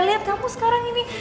lihat kamu sekarang ini